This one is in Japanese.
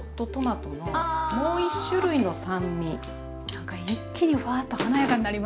なんか一気にふわっと華やかになりましたね。